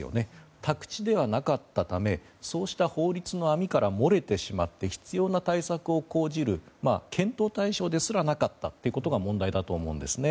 宅地ではなかったためそうした法律の網から漏れてしまって必要な対策を講じる検討対象ですらなかったのが問題だと思うんです。